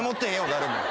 誰も。